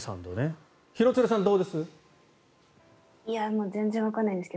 廣津留さんどうです？